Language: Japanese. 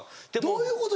どういうこと？